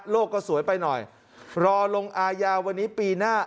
ก็สวยไปหน่อยรอลงอายาวันนี้ปีหน้า